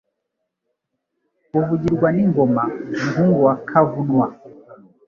Uvugirwa n’ingoma, Muhungu wa Kavunwa,